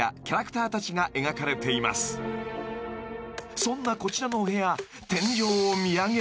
［そんなこちらのお部屋］